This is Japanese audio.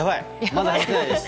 まだ走ってないです。